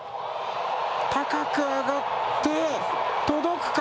高く上がって届くか？